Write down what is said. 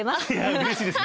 うれしいですね。